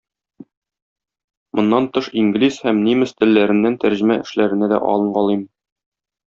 Моннан тыш инглиз һәм нимес телләреннән тәрҗемә эшләренә дә алынгалыйм.